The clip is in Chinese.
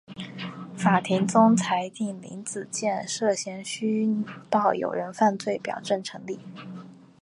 法庭终裁定林子健涉嫌虚报有人犯罪表证成立。